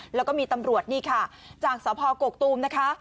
แล้วก็มีตำรวจนี่ค่ะจากสพกกตูมนะคะ